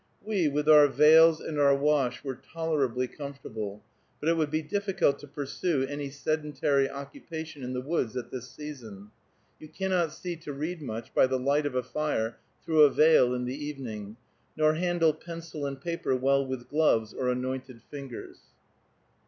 We with our veils and our wash were tolerably comfortable, but it would be difficult to pursue any sedentary occupation in the woods at this season; you cannot see to read much by the light of a fire through a veil in the evening, nor handle pencil and paper well with gloves or anointed fingers.